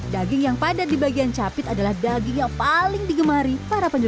daging yang padat di bagian capit adalah daging yang paling digemari para penjual